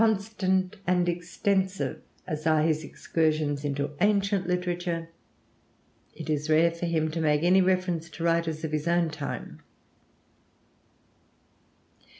Constant and extensive as are his excursions into ancient literature, it is rare for him to make any reference to writers of his own time.